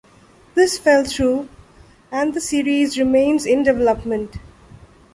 This fell through and the series remains in development.